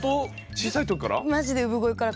小さい時から？